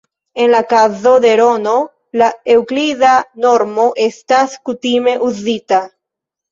En la kazo de Rn, la Eŭklida normo estas kutime uzita.